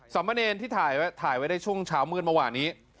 สำเมินที่ถ่ายไว้ถ่ายไว้ได้ช่วงเช้าเมืองเมื่อวานนี้